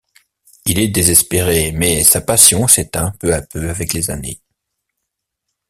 Il est désespéré, mais sa passion s'éteint peu à peu avec les années.